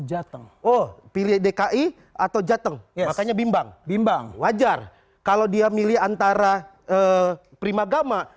jateng oh pilih dki atau jateng makanya bimbang bimbang wajar kalau dia milih antara primagama